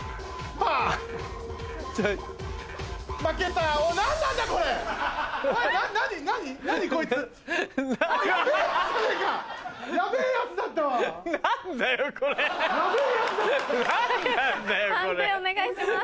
判定お願いします。